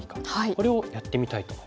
これをやってみたいと思います。